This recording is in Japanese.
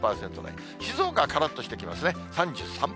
静岡からっとしてきますね、３３％です。